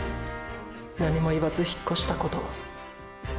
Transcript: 何も言わず引っ越したこと。